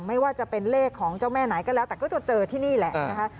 ไม่ว่าจะเป็นเลขของเจ้าแม่ไหนก็แล้วแต่ก็จะเจอที่นี่แหละนะคะ